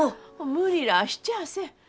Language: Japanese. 無理らあしちゃあせん。